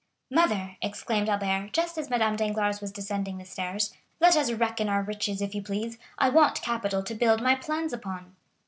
"Mother," exclaimed Albert, just as Madame Danglars was descending the stairs, "let us reckon our riches, if you please; I want capital to build my plans upon."